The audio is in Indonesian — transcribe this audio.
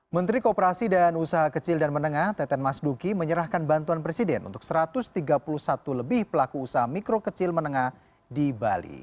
menteri kooperasi dan usaha kecil dan menengah teten mas duki menyerahkan bantuan presiden untuk satu ratus tiga puluh satu lebih pelaku usaha mikro kecil menengah di bali